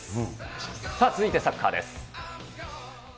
続いてはサッカーです。